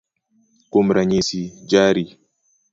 Kuom ranyisi, jari